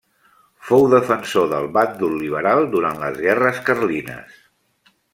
Fou defensor del bàndol liberal durant les Guerres Carlines.